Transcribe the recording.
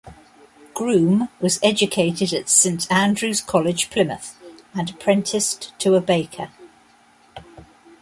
Groom was educated at Saint Andrew's College, Plymouth and apprenticed to a baker.